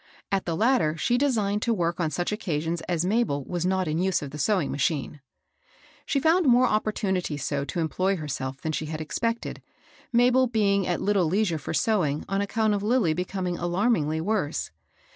At the latter she designed to work on such occasions as Mabel was not in use of the sew ing machine. She found more opportunities so to employ her self than she had expected, Mabel being at little leisure for sewing on account of Lilly becoming alarmingly worse.